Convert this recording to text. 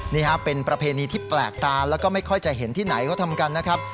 นี่ฮะเป็นประเพณีที่แปลกตาแล้วก็ไม่ค่อยจะเห็นที่ไหนเขาทำกันนะครับ